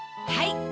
はい！